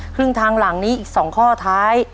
ครึ่งทางหลังนี้อีก๒ข้อท้าย